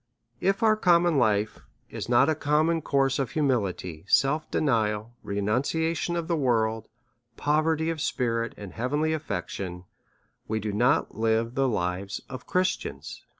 If our common life is not a common course of humility, self denial, renunciation of the world, poverty of spirit, and hea venly affection, we do not live the lives of Christians.